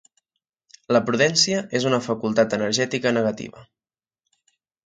La prudència és una facultat energètica negativa.